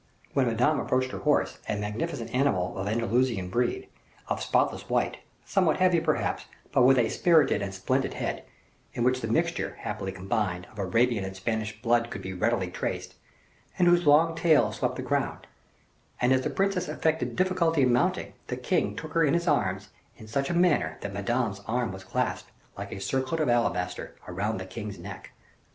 When Madame approached her horse, a magnificent animal of Andalusian breed, of spotless white, somewhat heavy, perhaps, but with a spirited and splendid head, in which the mixture, happily combined, of Arabian and Spanish blood could be readily traced, and whose long tail swept the ground; and as the princess affected difficulty in mounting, the king took her in his arms in such a manner that Madame's arm was clasped like a circlet of alabaster around the king's neck.